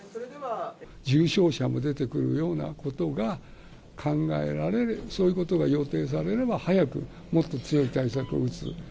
重症者も出てくるようなことが考えられる、そういうことが予定されれば、早くもっと強い対策を打つ。